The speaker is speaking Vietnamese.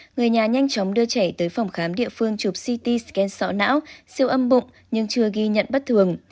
người nhà nhanh chóng đưa trẻ tới phòng khám địa phương chụp ct scan sọ não siêu âm bụng nhưng chưa ghi nhận bất thường